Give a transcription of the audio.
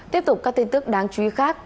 tiếp tục các tin tức đáng chú ý khác